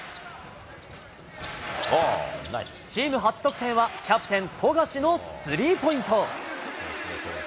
チーム初得点は、キャプテン、富樫のスリーポイント。